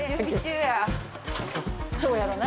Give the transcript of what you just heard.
・そうやろな。